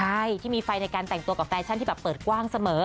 ใช่ที่มีไฟในการแต่งตัวกับแฟชั่นที่แบบเปิดกว้างเสมอ